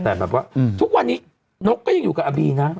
แต่แบบว่าทุกวันนี้นกก็ยังอยู่กับอาบีนะ